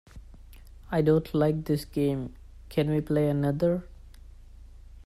I don't like this game, can we play another?